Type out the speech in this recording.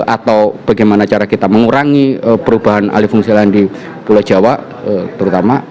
atau bagaimana cara kita mengurangi perubahan alih fungsi lahan di pulau jawa terutama